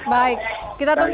baik kita tunggu